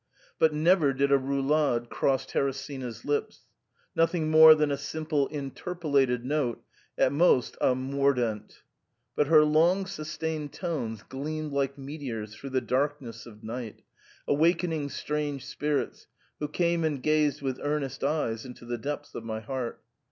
But never did a roulade cross Teresina*s lips ; nothing more than a simple interpolated note, at most a mordent ; but her long sustained tones gleamed like meteors through the darkness of night, awakening strange spirits, who came and gazed with earnest eyes into the depths of my heart.